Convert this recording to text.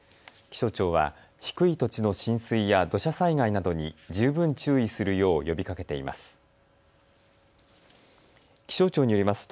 気象庁は低い土地の浸水や土砂災害などに十分注意するよう呼びかけています。